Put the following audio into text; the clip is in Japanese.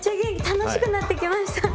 楽しくなってきました！